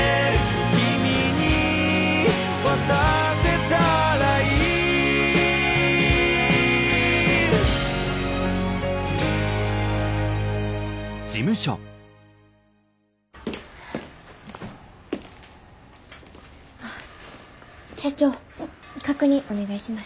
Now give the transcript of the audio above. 「君に渡せたらいい」社長確認お願いします。